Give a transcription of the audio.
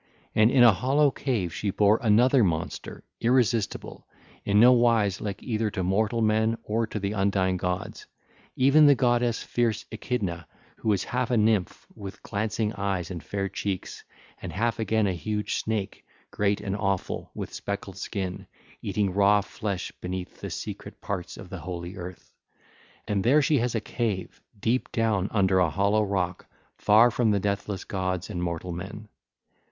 (ll. 295 305) And in a hollow cave she bare another monster, irresistible, in no wise like either to mortal men or to the undying gods, even the goddess fierce Echidna who is half a nymph with glancing eyes and fair cheeks, and half again a huge snake, great and awful, with speckled skin, eating raw flesh beneath the secret parts of the holy earth. And there she has a cave deep down under a hollow rock far from the deathless gods and mortal men.